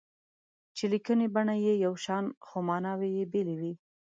چې لیکني بڼه یې یو شان خو ماناوې یې بېلې وي.